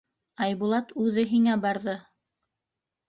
Айбулат үҙе һиңә барҙы.